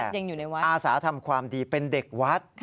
แต่อาสาทำความดีเป็นเด็กวัด